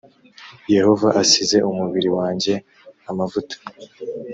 yehova asize umubiri wanjye amavuta